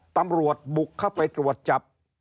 ตำรวจบุกเข้าไปตรวจจับ